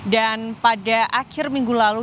dan pada akhir minggu lalu